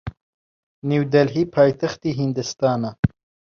نیودەلهی پایتەختی هیندستانە.